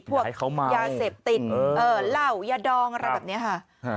อย่าให้เขาเมายาเสพติดเหล้ายาดองอะไรแบบนี้ค่ะ